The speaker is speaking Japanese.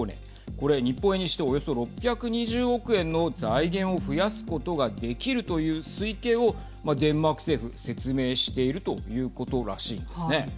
これ日本円にしておよそ６２０億円の財源を増やすことができるという推計をデンマーク政府、説明しているということらしいんですね。